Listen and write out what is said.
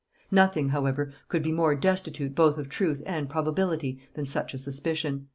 Nothing, however, could be more destitute both of truth and probability than such a suspicion.